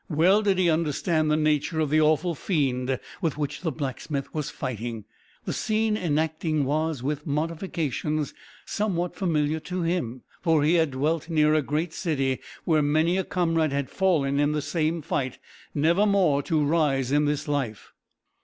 Well did he understand the nature of the awful fiend, with which the blacksmith was fighting. The scene enacting was, with modifications, somewhat familiar to him, for he had dwelt near a great city where many a comrade had fallen in the same fight, never more to rise in this life.